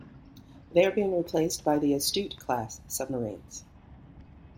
They are being replaced by the "Astute"-class submarines.